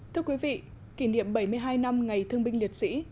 thưa quý vị kỷ niệm bảy mươi hai năm ngày thương binh liệt sĩ